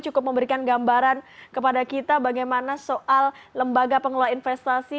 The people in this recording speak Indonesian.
cukup memberikan gambaran kepada kita bagaimana soal lembaga pengelola investasi